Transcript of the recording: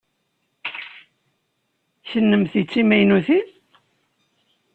Kennemti d timaynutin?